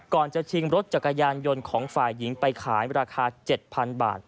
จะชิงรถจักรยานยนต์ของฝ่ายหญิงไปขายราคา๗๐๐บาท